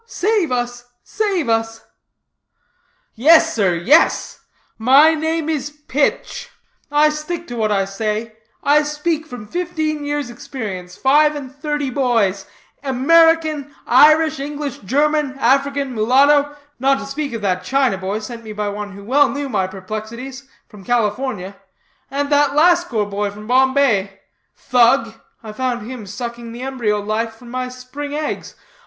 "Save us, save us!" "Yes, sir, yes. My name is Pitch; I stick to what I say. I speak from fifteen years' experience; five and thirty boys; American, Irish, English, German, African, Mulatto; not to speak of that China boy sent me by one who well knew my perplexities, from California; and that Lascar boy from Bombay. Thug! I found him sucking the embryo life from my spring eggs.